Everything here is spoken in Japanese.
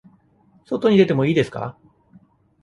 外に出てもいいですか。